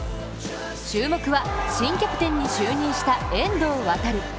注目は、新キャプテンに就任した遠藤航。